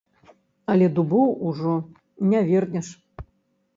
Але дубоў ужо не вернеш.